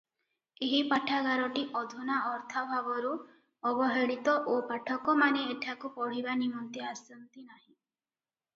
ଏହି ପାଠାଗାରଟି ଅଧୁନା ଅର୍ଥାଭାବରୁ ଅବହେଳିତ ଓ ପାଠକମାନେ ଏଠାକୁ ପଢ଼ିବା ନିମନ୍ତେ ଆସନ୍ତି ନାହିଁ ।